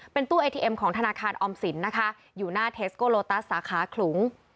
ตู้เอทีเอ็มของธนาคารออมสินนะคะอยู่หน้าเทสโกโลตัสสาขาขลุง